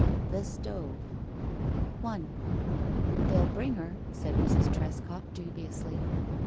IX THE STOVE I "They'll bring her," said Mrs. Trescott, dubiously.